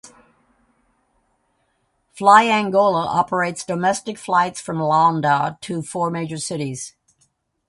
Fly Angola operates domestic flights from Luanda to four major cities.